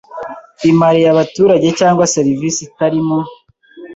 imariye abaturage cyangwa serivisi itari mu